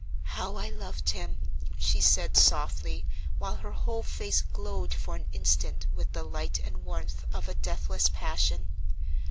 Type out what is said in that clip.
"How I loved him!" she said, softly, while her whole face glowed for an instant with the light and warmth of a deathless passion.